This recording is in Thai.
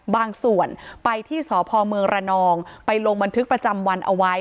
บางส่วนไปที่สพเมืองระนองไปลงบันทึกประจำวันเอาไว้